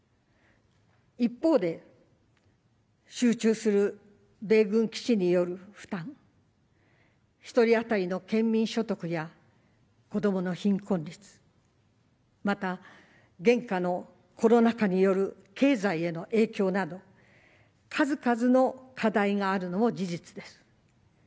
一方で、集中する米軍基地による負担一人当たりの県民所得や子どもの貧困率また現下のコロナ禍による経済への影響など数々の課題があるのも事実です。